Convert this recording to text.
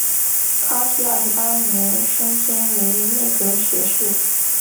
康熙二十八年升迁为内阁学士。